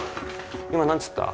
今何つった？